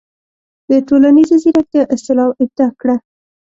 د"ټولنیزې زیرکتیا" اصطلاح ابداع کړه.